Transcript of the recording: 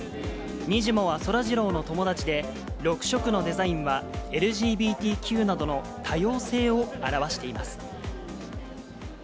にじモはそらジローの友達で、６色のデザインは、ＬＧＢＴＱなどの多様性を表しています。